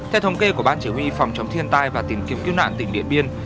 theo thống kê của ban chỉ huy phòng chống thiên tai và tìm kiếm cứu nạn tỉnh điện biên